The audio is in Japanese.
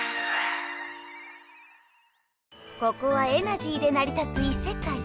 ここはエナジーでなり立ついせかい。